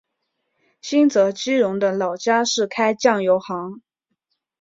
新泽基荣的老家是开酱油行。